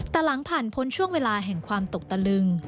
แต่หลังผ่านพ้นช่วงเวลาแห่งความตกตะลึง